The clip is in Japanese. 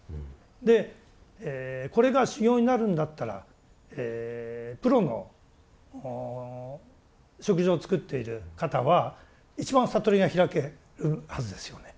でこれが修行になるんだったらプロの食事を作っている方は一番悟りが開けるはずですよね。